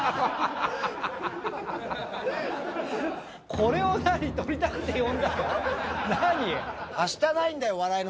これをなに、撮りたくて呼んだの？